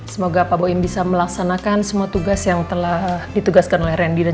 semoga pak bu im bisa melaksanakan semua tugas yang telah ditugaskan oleh randy dan